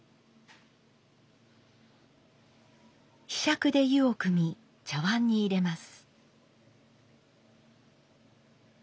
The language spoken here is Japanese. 柄杓で湯をくみ茶碗に入れます。